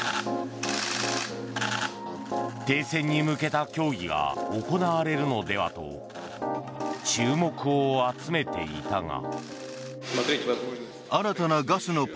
停戦に向けた協議が行われるのではと注目を集めていたが。